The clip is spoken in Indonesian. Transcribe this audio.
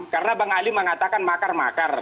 karena bang ali mengatakan makar makar